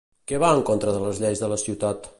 Què va en contra de les lleis de la ciutat?